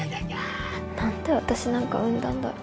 何で私なんか生んだんだろう。